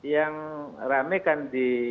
yang rame kan di